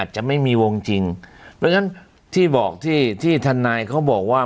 จะไม่มีวงจริงเพราะฉะนั้นที่บอกที่ที่ทนายเขาบอกว่า